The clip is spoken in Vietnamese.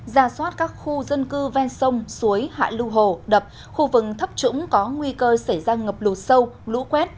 ra soát các khu dân cư ven sông suối hạ lưu hồ đập khu vực thấp trũng có nguy cơ xảy ra ngập lụt sâu lũ quét